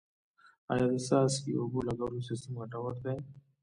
آیا د څاڅکي اوبو لګولو سیستم ګټور دی؟